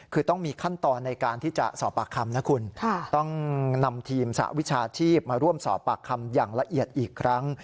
คือต้องมีขั้นตอนในการที่จะสอบปากคำนะคุณต้องนำทีมสหวิชาชีพมาร่วมสอบปากคำอย่างละเอียดอีกครั้ง